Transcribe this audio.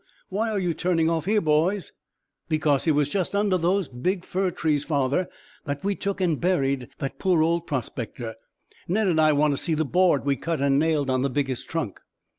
Why are you turning off here, boys?" "Because it was just under those big fir trees, father, that we took and buried that poor old prospector. Ned and I want to see the board we cut and nailed on the biggest trunk."